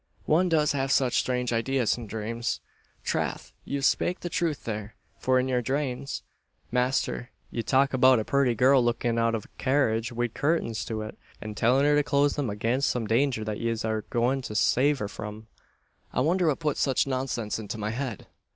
One does have such strange ideas in dreams!" "Trath! yez spake the truth there; for in your drames, masther, ye talk about a purty girl lookin' out av a carriage wid curtains to it, an tellin' her to close them agaynst some danger that yez are going to save her from." "I wonder what puts such nonsense into my head?"